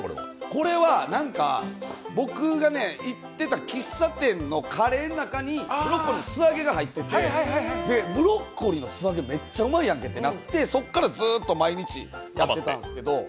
これは僕が行ってた喫茶店のカレーの中にブロッコリーの素揚げが入っててブロッコリーの素揚げめっちゃうまいやんってなってそこからずーっと毎日ハマってるんですけど。